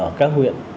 ở các huyện